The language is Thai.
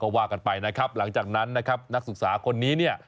ว่ากันไปนะครับหลังจากนั้นนะครับนักศึกษาคนนี้เนี่ย